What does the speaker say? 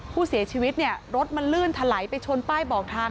ผู้เสียชีวิตเนี่ยรถมันลื่นถลายไปชนป้ายบอกทาง